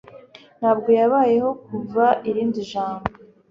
Ntabwo yabayeho kuvuga irindi jambo.